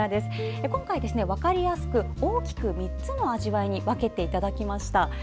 今回、分かりやすく大きく３つの味わいに分けていただきました。